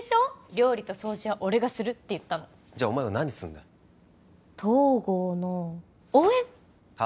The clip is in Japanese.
料理と掃除は俺がするって言ったのじゃあお前は何するんだ東郷の応援は？